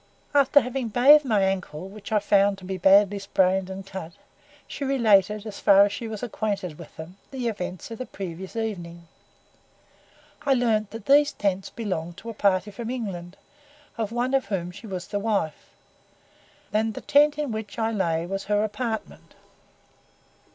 After having bathed my ankle, which I found to be badly sprained and cut, she related, as far as she was acquainted with them, the events the previous evening. I learnt that these tents belonged to a party from England, of one of whom she was the wife, and the tent in which I lay was her apartment.